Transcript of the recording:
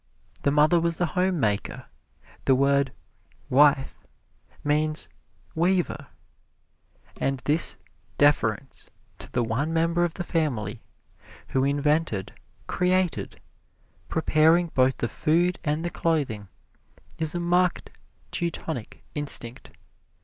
The mother was the home maker. The word "wife" means weaver; and this deference to the one member of the family who invented, created, preparing both the food and the clothing, is a marked Teutonic instinct.